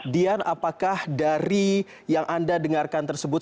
dian apakah dari yang anda dengarkan tersebut